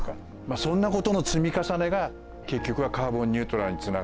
そんなことの積み重ねが結局はカーボンニュートラルにつながるのかな。